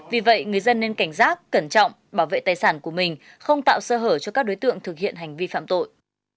vì vậy người dân nên cảnh giác cẩn trọng bảo vệ tài sản của mình không tạo sơ hở cho các đối tượng thực hiện hành vi phạm tội